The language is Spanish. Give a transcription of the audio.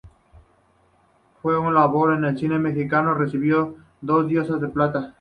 Por su labor en cine mexicano, recibió Dos Diosas de Plata.